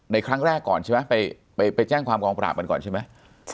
ในครั้งแรกก่อนใช่ไหมไปแจ้งความกองปราบกันก่อนใช่ไหม